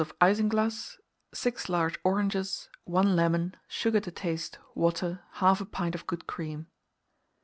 of isinglass, 6 large oranges, 1 lemon, sugar to taste, water, 1/2 pint of good cream.